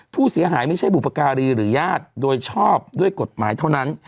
ผู้เสียหายไม่ใช่บุปการีหรือญาติโดยชอบด้วยกฎหมายเท่านั้น